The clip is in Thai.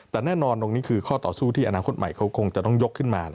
แต่แน่นอนตรงนี้คือข้อต่อสู้ที่อนาคตใหม่เขาคงจะต้องยกขึ้นมา